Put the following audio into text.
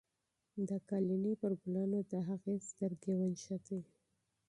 د قالینې پر ګلانو باندې د هغې سترګې ونښتې.